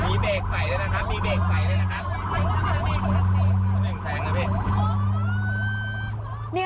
มีเบรกใส่ด้วยนะครับมีเบรกใส่ด้วยนะครับ